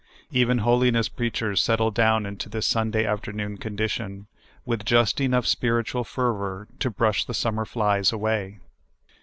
Even holiness preachers settle down into this Sunda}' afternoon condition, with just enough spirit ual fervor to brush the summer flies away.